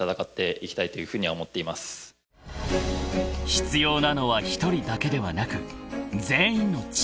［必要なのは１人だけではなく全員の力］